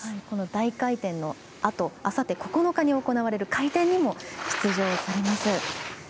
この大回転のあとあさって９日に行われる回転にも出場されます。